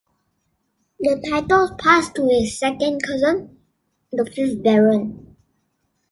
The titles passed to his second cousin, the fifth Baron.